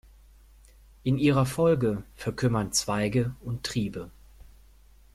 In ihrer Folge verkümmern Zweige und Triebe.